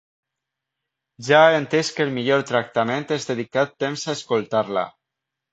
Ja ha entès que el millor tractament és dedicar temps a escoltar-la.